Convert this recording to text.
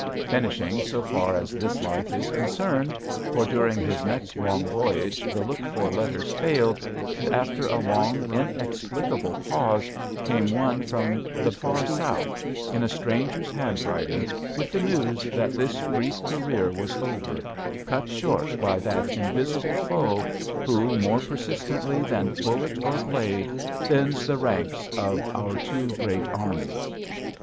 Finishing so far as this life is concerned, for during his next long voyage the looked for letters failed, and after a long, inexplicable pause came one from the far South, in a stranger *s handwriting, with the news that this brief career was over — cut short by that invisible foe who, more persistently than bullet or blade, thins the ranks of our two great armies.